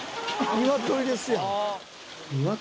ニワトリですよ。